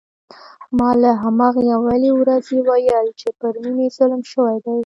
ما له همهغې اولې ورځې ویل چې پر مينې ظلم شوی دی